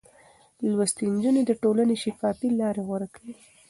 لوستې نجونې د ټولنې شفافې لارې غوره کوي.